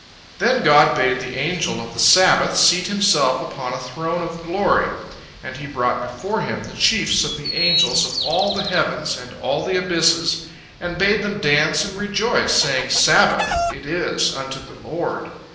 Then God bade the Angel of the Sabbath seat himself upon a throne of glory, and He brought before him the chiefs of the angels of all the heavens and all the abysses, and bade them dance and rejoice, saying, "Sabbath it is unto the Lord!"